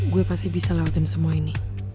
gue pasti bisa lewatin semua ini